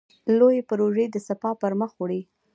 لویې پروژې سپاه پرمخ وړي.